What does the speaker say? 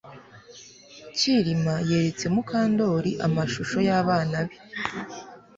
Kirima yeretse Mukandoli amashusho yabana be